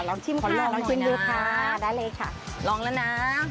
ลองชิมค่ะลองกินดูค่ะได้เลยค่ะขอลองหน่อยนะ